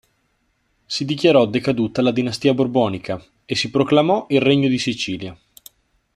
Si dichiarò decaduta la dinastia borbonica, e si proclamò il Regno di Sicilia.